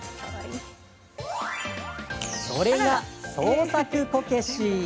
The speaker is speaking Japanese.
それが創作こけし。